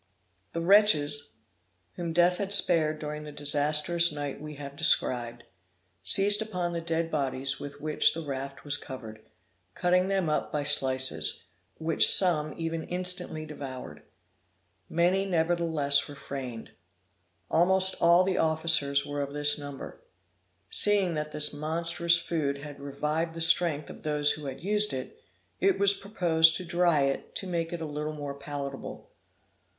The wretches, whom death had spared during the disastrous night we have described, seized upon the dead bodies with which the raft was covered, cutting them up by slices, which some even instantly devoured. Many nevertheless refrained. Almost all the officers were of this number. Seeing that this monstrous food had revived the strength of those who had used it, it was proposed to dry it, to make it a little more palatable.